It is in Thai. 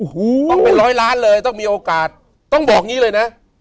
ต้องเป็น๑๐๐ล้านเลยต้องมีโอกาสต้องบอกนี้เลยนะ